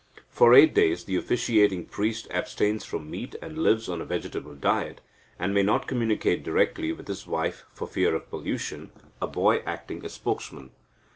For eight days the officiating priest abstains from meat, and lives on vegetable diet, and may not communicate directly with his wife for fear of pollution, a boy acting as spokesman.